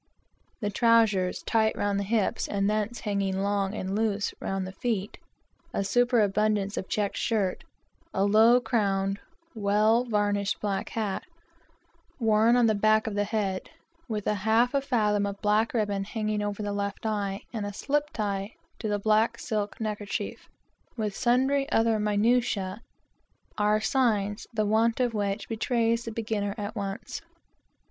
The trowsers, tight round the hips, and thence hanging long and loose round the feet, a superabundance of checked shirt, a low crowned, well varnished black hat, worn on the back of the head, with half a fathom of black ribbon hanging over the left eye, and a peculiar tie to the black silk neckerchief, with sundry other minutiae, are signs, the want of which betray the beginner at once.